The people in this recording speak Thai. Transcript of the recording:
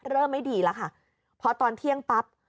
เริ่มไม่ดีแล้วค่ะเพราะตอนเที่ยงปั๊บ